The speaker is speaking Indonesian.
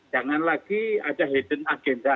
jangan lagi ada hidden agenda